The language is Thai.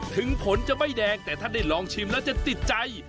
ถึงผลจะไม่แดงแต่ถ้าได้ลองชิมแล้วจะติดใจ